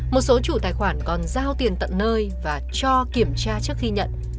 một số chủ tài khoản còn giao tiền tận nơi và cho kiểm tra trước khi nhận